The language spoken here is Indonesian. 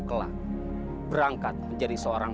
tidak lihat saja dilarang